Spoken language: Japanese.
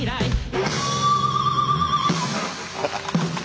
アハハハ。